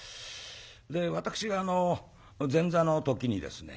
で私が前座の時にですね。